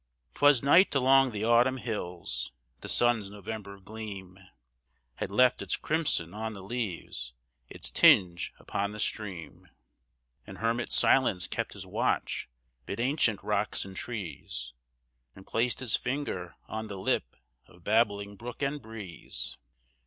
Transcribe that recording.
II 'Twas night along the autumn hills, the sun's November gleam Had left its crimson on the leaves, its tinge upon the stream; And Hermit Silence kept his watch 'mid ancient rocks and trees, And placed his finger on the lip of babbling brook and breeze.